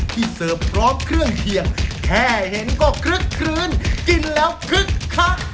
เสิร์ฟพร้อมเครื่องเคียงแค่เห็นก็คลึกคลื้นกินแล้วคึกคัก